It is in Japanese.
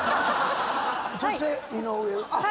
⁉そして井上あっ